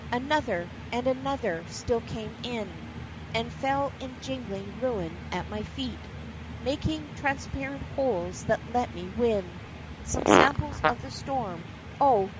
Another, and another, still came in, And fell in jingling ruin at my feet, Making transparent holes that let me win Some samples of the storm: Oh!